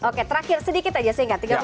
oke terakhir sedikit aja singkat